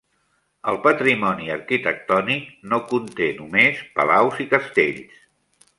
El Patrimoni Arquitectònic no conté només palaus i castells.